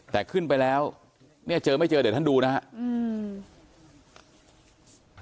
แต่ขึ้นไปแล้วเนี่ยเจอไม่เจอเดี๋ยวท่านดูนะครับ